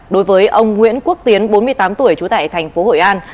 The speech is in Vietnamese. đối với ông nguyễn quốc tiến bốn mươi tám tuổi trú tại thành phố hội an